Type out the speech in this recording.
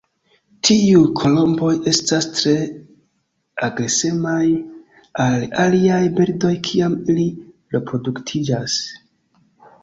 Tiuj kolomboj estas tre agresemaj al aliaj birdoj kiam ili reproduktiĝas.